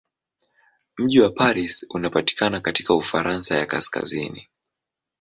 Mji wa Paris unapatikana katika Ufaransa ya kaskazini.